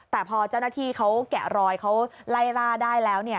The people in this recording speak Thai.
แต่พอเจ้าหน้าที่เขาแกะรอยเขาไล่ล่าได้แล้ว